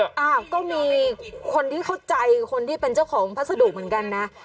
อ้าวก็มีคนที่เข้าใจคนที่เป็นเจ้าของพัสดุเหมือนกันนะ